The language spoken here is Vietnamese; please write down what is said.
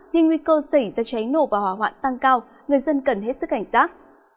nên nguy cơ xảy ra cháy nổ và hỏa hoạn tăng cao người dân cần hết sức cảnh giác